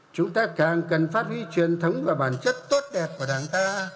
chúng ta càng cần phát huy truyền thống và bản chất tốt đẹp của đảng ta